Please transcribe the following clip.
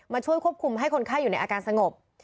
ช่วยควบคุมให้คนไข้อยู่ในอาการสงบ